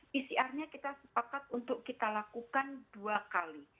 pcr nya kita sepakat untuk kita lakukan dua kali